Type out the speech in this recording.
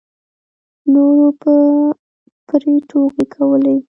نورو به پرې ټوکې کولې.